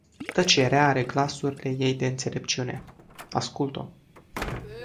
Tăcerea are glasurile ei de înțelepciune: ascult-o!